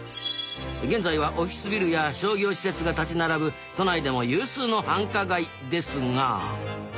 現在はオフィスビルや商業施設が建ち並ぶ都内でも有数の繁華街ですが。